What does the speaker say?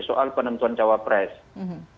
soal penentuan jawa press